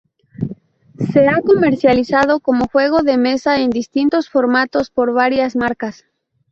Se ha comercializado como juego de mesa en distintos formatos por varias marcas.